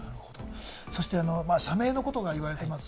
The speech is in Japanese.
そして社名のことが言われています。